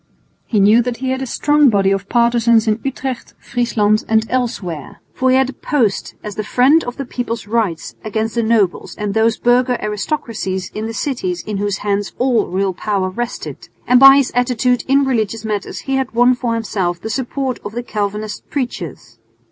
He knew that he had a strong body of partisans in Utrecht, Friesland and elsewhere, for he had posed as the friend of the people's rights against the nobles and those burgher aristocracies in the cities in whose hands all real power rested, and by his attitude in religious matters he had won for himself the support of the Calvinist preachers.